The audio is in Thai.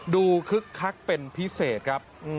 คึกคักเป็นพิเศษครับ